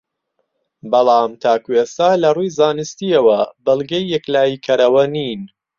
بەڵام تاکو ئێستا لەڕووی زانستییەوە بەڵگەی یەکلاییکەرەوە نین